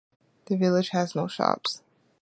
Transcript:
The village has no shops.